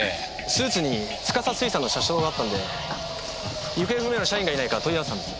スーツに司水産の社章があったんで行方不明の社員がいないか問い合わせたんです。